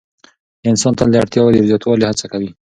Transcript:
انسان تل د اړتیاوو د زیاتوالي هڅه کوي.